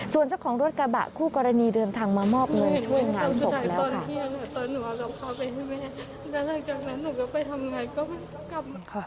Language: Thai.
ส่วนเจ้าของฤทธิ์กระบะคู่กรณีเดินทางมามอบเงินช่วงงานศพแล้วค่ะ